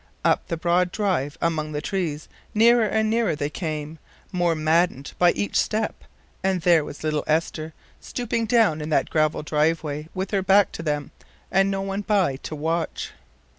Up the broad drive among the trees, nearer and nearer they came, more maddened by each step, and there was little Esther, stooping down in that gravel drive way with her back to them, and no one by to watch